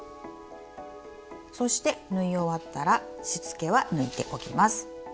そして縫い終わったらしつけは抜いておきます。